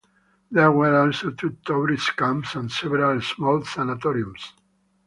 There were also two tourist camps and several small sanatoriums.